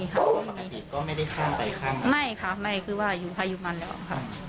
ปกติก็ไม่ได้ข้างไปข้างไม่ค่ะไม่คือว่าอยู่พายุมันเหรอค่ะ